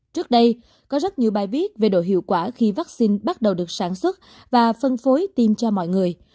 trước đây có rất nhiều bài viết về độ hiệu quả khi vaccine bắt đầu được sản xuất và phân phối tiêm cho mọi người